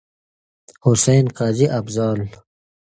حسين، قاضي افضال.